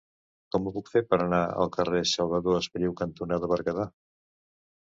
Com ho puc fer per anar al carrer Salvador Espriu cantonada Berguedà?